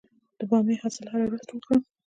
د بامیې حاصل هره ورځ ټول کړم؟